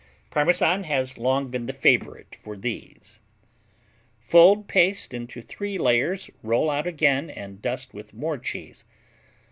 Parmesan cheese has long been the favorite for these. Fold paste into 3 layers, roll out again and dust with more cheese.